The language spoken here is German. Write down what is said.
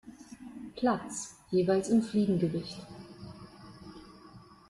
Platz, jeweils im Fliegengewicht.